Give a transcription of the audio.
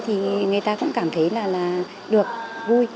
thì người ta cũng cảm thấy là được vui